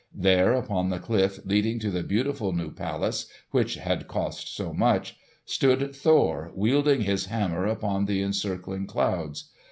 There upon the cliff leading to the beautiful new palace which had cost so much, stood Thor wielding his hammer upon the encircling clouds.